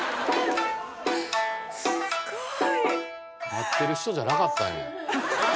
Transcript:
すごい。待ってる人じゃなかったんや。